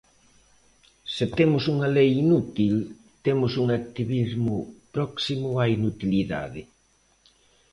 Se temos unha lei inútil, temos un activismo próximo á inutilidade.